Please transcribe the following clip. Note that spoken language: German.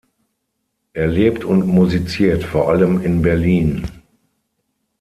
Er lebt und musiziert vor allem in Berlin.